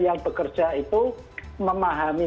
yang bekerja itu memahami